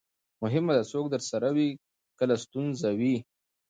مهمه ده، څوک درسره وي کله ستونزه وي.